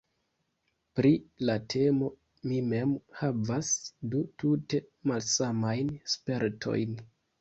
Pri la temo mi mem havas du tute malsamajn spertojn.